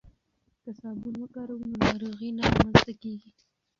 که صابون وکاروو نو ناروغۍ نه رامنځته کیږي.